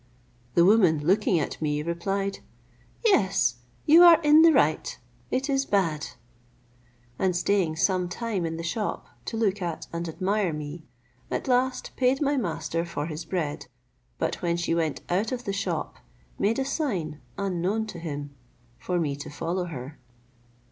The woman looking at me replied, "Yes, you are in the right, it is bad:" and staying some time in the shop, to look at and admire me, at last paid my master for his bread, but when she went out of the shop, made a sign, unknown to him, for me to follow her.